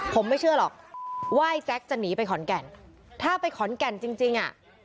ผมไม่เชื่อหรอกว่าไอ้แจ๊คจะหนีไปขอนแก่นถ้าไปขอนแก่นจริงจริงอ่ะ